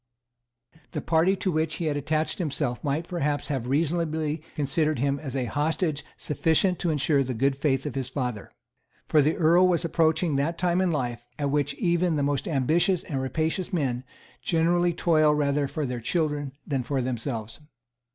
The party to which he had attached himself might perhaps have reasonably considered him as a hostage sufficient to ensure the good faith of his father; for the Earl was approaching that time of life at which even the most ambitious and rapacious men generally toil rather for their children than for themselves.